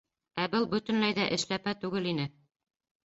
Ә был бөтөнләй ҙә эшләпә түгел ине.